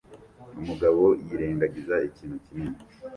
Umugabo yirengagiza ikintu kinini